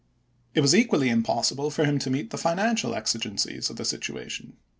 It was equally impossible for him to meet the financial exigencies of the situation.